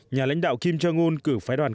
nhà lãnh đạo kim jong un cử phái đoàn